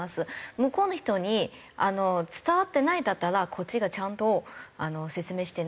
向こうの人に伝わってないんだったらこっちがちゃんと説明してないかなと。